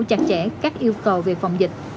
chặt chẽ các yêu cầu về phòng dịch